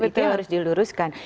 itu harus diluruskan